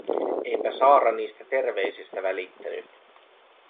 Eipä Saara niistä terveisistä välittänyt.